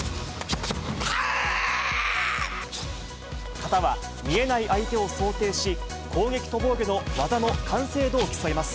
形は、見えない相手を想定し、攻撃と防御の技の完成度を競います。